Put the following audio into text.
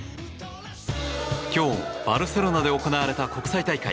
今日、バルセロナで行われた国際大会。